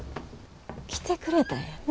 来てくれたんやね。